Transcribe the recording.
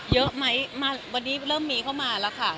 เยอะไหมมาวันนี้เริ่มมีเข้ามาแล้วค่ะ